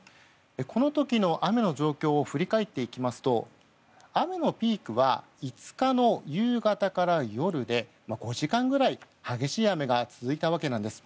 この時の雨の状況を振り返っていきますと雨のピークは５日の夕方から夜で５時間ぐらい激しい雨が続いたわけなんです。